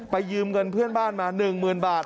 ยืมเงินเพื่อนบ้านมา๑๐๐๐บาท